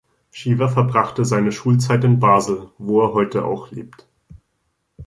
Shiva verbrachte seine Schulzeit in Basel, wo er heute auch lebt.